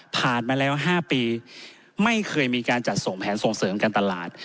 มาแล้ว๕ปีไม่เคยมีการจัดส่งแผนส่งเสริมการตลาด